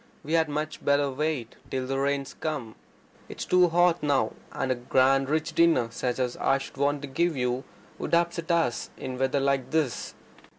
We had much better wait till the rains come. It's too hot now. And a grand rich dinner such as I should want to give you would upset us in weather like this."